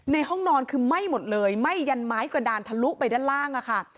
ห้องนอนคือไหม้หมดเลยไหม้ยันไม้กระดานทะลุไปด้านล่างอะค่ะ